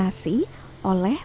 dan memiliki kekuatan donasi oleh